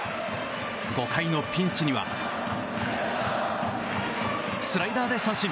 ５回、ピンチにはスライダーで三振！